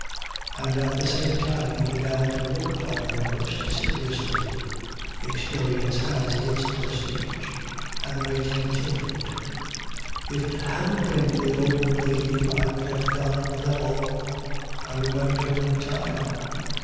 And at the same time he began to look upon him more seriously. Experience has its prestige. And the mate continued: "If it hadn't been for the old lady, I would have gone to the devil. I remembered her in time.